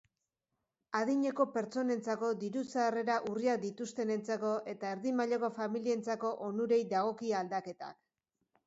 Adineko pertsonentzako, diru-sarrera urriak dituztenentzako eta erdi mailako familientzako onurei dagokie aldaketak.